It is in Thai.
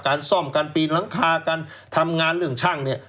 ซ่อมการปีนหลังคาการทำงานเรื่องช่างเนี่ย